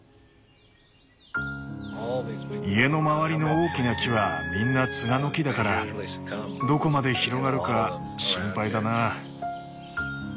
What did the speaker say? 家の周りの大きな木はみんなツガの木だからどこまで広がるか心配だな。